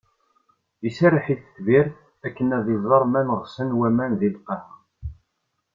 Iserreḥ i tetbirt akken ad iẓer ma neɣsen waman di lqaɛa.